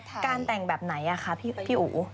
อันนี้เป็นการแต่งแบบไหนอ่ะคะพี่อู๋